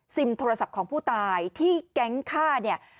ซิมโทรศัพท์ของผู้ตายที่แก๊งค้านี่